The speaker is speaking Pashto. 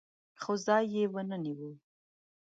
خو ځای یې ونه نیو